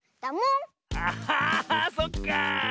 あっそっか！